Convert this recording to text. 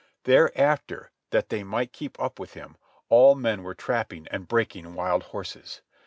Thereafter, that they might keep up with him, all men were trapping and breaking wild horses.